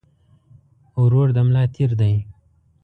ورور د ملا تير دي